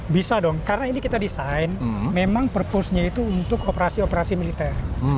bisa dong karena ini kita desain memang purpose nya itu untuk operasi operasi militer